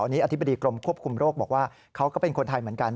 อันนี้อธิบดีกรมควบคุมโรคบอกว่าเขาก็เป็นคนไทยเหมือนกัน